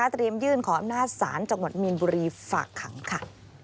ยื่นขออำนาจศาลจังหวัดมีนบุรีฝากขังค่ะ